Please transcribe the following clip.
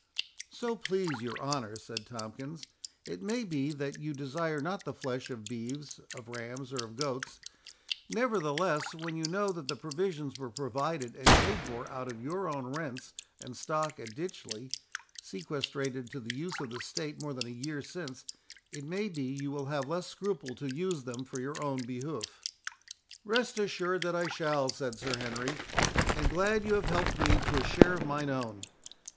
"So please your honour," said Tomkins, "it may be that you desire not the flesh of beeves, of rams, or of goats. Nevertheless, when you know that the provisions were provided and paid for out of your own rents and stock at Ditchley, sequestrated to the use of the state more than a year since, it may be you will have less scruple to use them for your own behoof." "Rest assured that I shall," said Sir Henry; "and glad you have helped me to a share of mine own.